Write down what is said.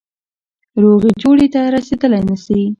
روغي جوړي ته رسېدلای نه سي.